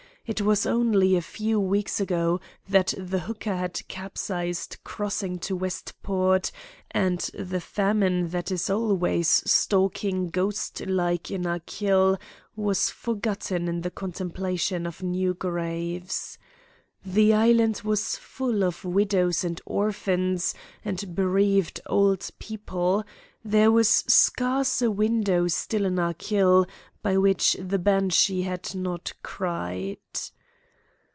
It was only a few weeks ago that the hooker had capsized crossing to Westport, and the famine that is always stalking ghost like in Achill was forgotten in the contemplation of new graves. The Island was full of widows and orphans and bereaved old people; there was scarce a window sill in Achill by which the banshee had not cried.